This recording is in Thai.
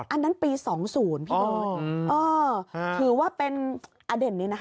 อันนั้นปี๒๐๒๐พี่โดน